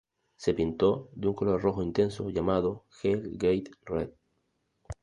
Se pintó de un color rojo intenso, llamado "Hell Gate Red".